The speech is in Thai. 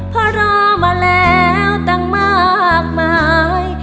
เพราะรอมาแล้วตั้งมากมาย